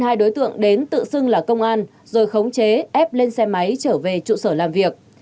hai đối tượng đến tự xưng là công an rồi khống chế ép lên xe máy trở về trụ sở làm việc